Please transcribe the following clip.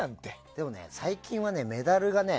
でもね、最近はメダルが。